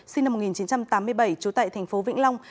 sinh năm một nghìn chín trăm tám mươi bảy trú tại tp vĩnh long